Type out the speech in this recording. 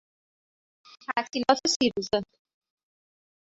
تعطیلات سی روزه